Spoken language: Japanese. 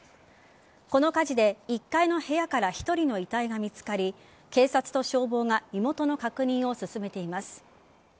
この火事で１階の部屋から１人の遺体が見つかり警察と消防が身元の確認を進めています。